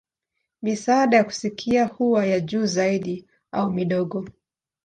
Misaada ya kusikia huwa ya juu zaidi au midogo.